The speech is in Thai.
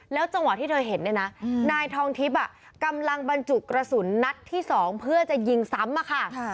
จังหวะที่เธอเห็นเนี่ยนะนายทองทิพย์กำลังบรรจุกระสุนนัดที่๒เพื่อจะยิงซ้ำอะค่ะ